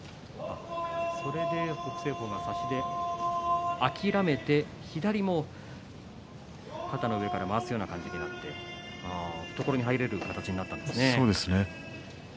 それで北青鵬が差し手を諦めて左も肩の上から回すような形になって懐に入れる形になったんですね。